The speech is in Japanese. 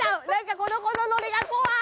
この子のノリが怖い！